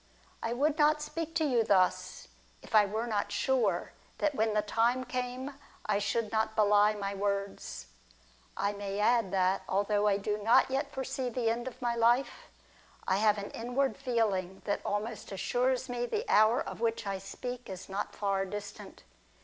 I would not speak to you thus, if I were not sure that when the time came I should not belie my words. I may add that although I do not yet foresee the end of my life, I have an inward feeling that almost assures me the hour of which I speak is not far distant.